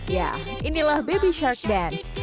ya inilah baby shark dance